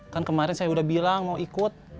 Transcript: kan kemarin saya udah bilang mau ikut